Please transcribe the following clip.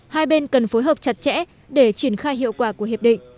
hai bên cần phối hợp chặt chẽ để triển khai hiệu quả của hiệp định